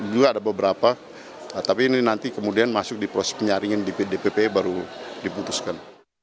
juga ada beberapa tapi ini nanti kemudian masuk di proses penyaringan di dpp baru diputuskan